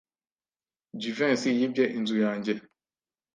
Jivency yibye inzu yanjye.